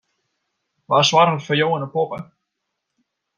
Wa soarget foar jo en de poppe?